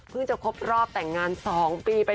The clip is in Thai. จะครบรอบแต่งงาน๒ปีไป